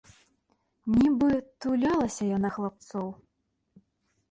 Нібы тулялася яна хлапцоў.